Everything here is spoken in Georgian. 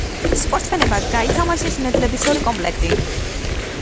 სპორტსმენებმა გაითამაშეს მედლების ორი კომპლექტი.